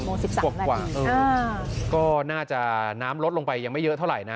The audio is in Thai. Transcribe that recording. ตอนนี้สิบเอ็ดโมงสิบสามนาทีอือก็น่าจะน้ำลดลงไปยังไม่เยอะเท่าไหร่นะ